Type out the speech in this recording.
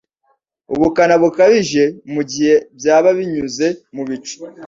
ubukana bukabije mu gihe byaba binyuze mu bicu